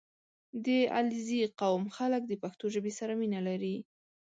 • د علیزي قوم خلک د پښتو ژبې سره مینه لري.